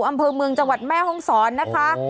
อำเภอเมืองจังหวัดแม่ห้องศรนะคะ